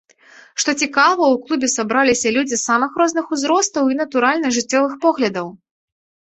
Што цікава, у клубе сабраліся людзі самых розных узростаў і, натуральна, жыццёвых поглядаў.